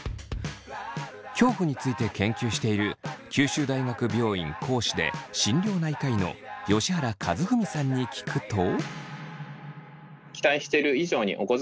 恐怖について研究している九州大学病院講師で心療内科医の吉原一文さんに聞くと。